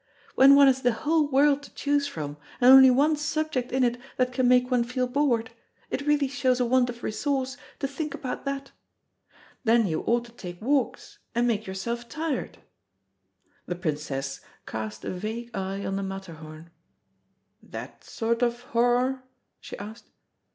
When one has the whole world to choose from, and only one subject in it that can make one feel bored, it really shows a want of resource to think about that. Then you ought to take walks and make yourself tired." The Princess cast a vague eye on the Matterhorn. "That sort of horror?" she asked.